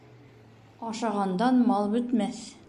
Ашағандан мал бөтмәҫ